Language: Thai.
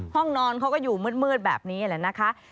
ห้องนอนเขาก็อยู่มืดแบบนี้แหละนะคะ